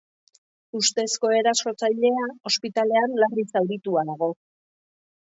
Ustezko erasotzailea ospitalean larri zauritua dago.